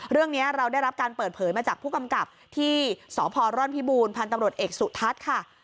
เรื่องนี้เราได้รับการเปิดเผยมาจากผู้กำกับที่สพร่อนพิบูรพันธ์ตำรวจเอกสุทัศน์ค่ะ